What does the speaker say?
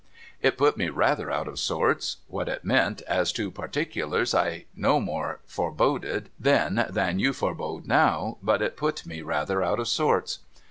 It put me rather out of sorts. What it meant as to particulars I no more foreboded then than you' forebode now, but it put me rather out of sorts.